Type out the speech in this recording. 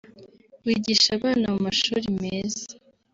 wigisha abana mu mashuri meza